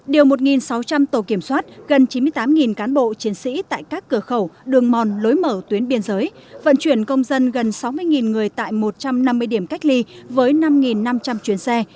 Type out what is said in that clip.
điều một sáu trăm linh tổ kiểm soát gần chín mươi tám cán bộ chiến sĩ tại các cửa khẩu đường mòn lối mở tuyến biên giới vận chuyển công dân gần sáu mươi người tại một trăm năm mươi điểm cách ly với năm năm trăm linh chuyến xe